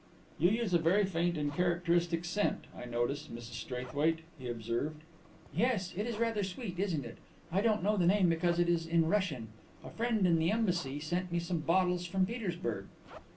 "You use a very faint and characteristic scent, I notice, Mrs Straithwaite," he observed. "Yes; it is rather sweet, isn't it? I don't know the name because it is in Russian. A friend in the Embassy sent me some bottles from Petersburg."